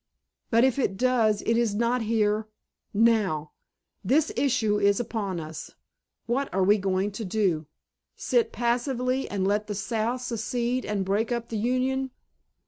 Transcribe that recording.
But if it does it is not here now. This issue is upon us. What are we going to do?—sit passive and let the South secede and break up the Union?